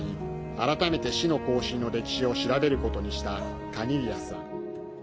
改めて、死の行進の歴史を調べることにしたカニリヤスさん。